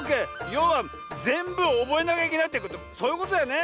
ようはぜんぶおぼえなきゃいけないってことそういうことだよね。